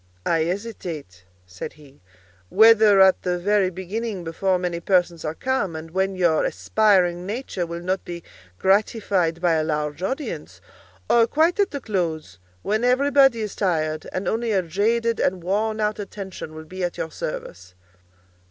"I hesitate," said he, "whether at the very beginning, before many persons are come, and when your aspiring nature will not be gratified by a large audience, or quite at the close, when everybody is tired, and only a jaded and worn out attention will be at your service."